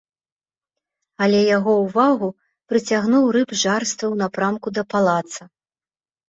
Але яго ўвагу прыцягнуў рып жарствы ў напрамку да палаца.